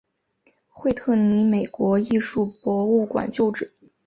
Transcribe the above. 惠特尼美国艺术博物馆旧址。